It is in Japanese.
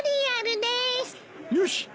よし！